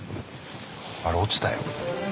あれ落ちたよ。